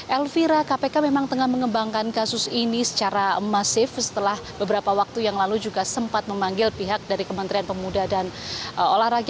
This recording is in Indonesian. elvira kpk memang tengah mengembangkan kasus ini secara masif setelah beberapa waktu yang lalu juga sempat memanggil pihak dari kementerian pemuda dan olahraga